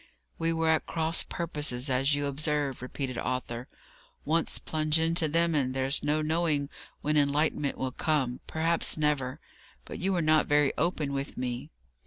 "We were at cross purposes, as you observe," repeated Arthur. "Once plunge into them, and there's no knowing when enlightenment will come; perhaps never. But you were not very open with me."